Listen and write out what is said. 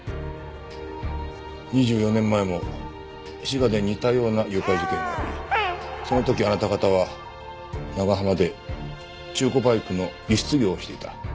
２４年前も滋賀で似たような誘拐事件がありその時あなた方は長浜で中古バイクの輸出業をしていた。